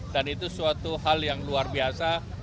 dan itu suatu hal yang luar biasa